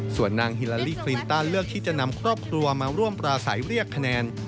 ส่วนนางฮิลาลี่คลินตันเลือกที่จะนำครอบครัวมาร่วมปราศัยเรียกคะแนน